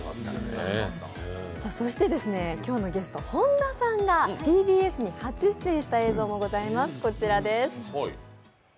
そして今日のゲスト、本田さんがＴＢＳに初出演した映像もございます、こちらです。